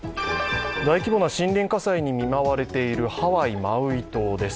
大規模な森林火災に見舞われているハワイ・マウイ島です。